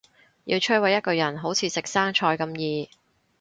要摧毁一個人好似食生菜咁易